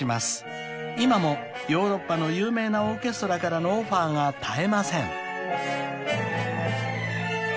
［今もヨーロッパの有名なオーケストラからのオファーが絶えません］